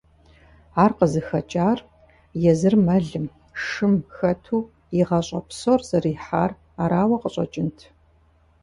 Ар къызыхэкӏар езыр мэлым, шым хэту и гъащӏэ псор зэрихьар арауэ къыщӏэкӏынт.